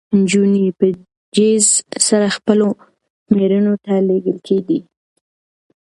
نجونې به په جېز سره خپلو مېړونو ته لېږل کېدې.